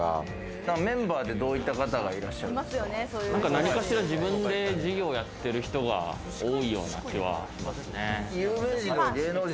何かしら自分で事業をやってる方が多いような気はしますね。